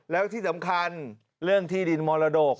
แล้วที่สำคัญเรื่องที่ดินมรดก